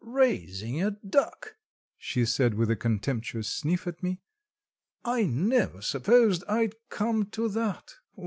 "Raising a duck," she said with a contemptuous sniff at me. "I never supposed I'd come to that.